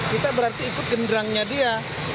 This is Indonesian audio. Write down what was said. kita berarti ikut genderangnya dia